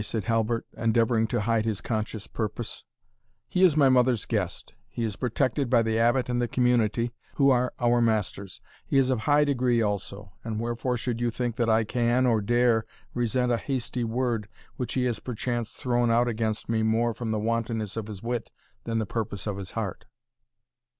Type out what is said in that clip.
said Halbert, endeavouring to hide his conscious purpose "he is my mother's guest he is protected by the Abbot and the community, who are our masters he is of high degree also, and wherefore should you think that I can, or dare, resent a hasty word, which he has perchance thrown out against me more from the wantonness of his wit, than the purpose of his heart?"